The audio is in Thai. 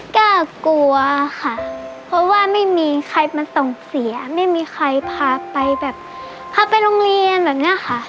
ก็กลัวค่ะเพราะว่าไม่มีใครมาส่งเสียไม่มีใครพาไปแบบพาไปโรงเรียนแบบนี้ค่ะ